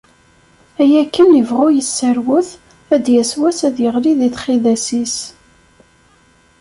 Ay akken ibɣu yesserwet, ad d-yass wass ad yeɣli di txidas-is.